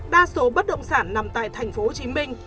đa số bất động sản nằm tại tp hcm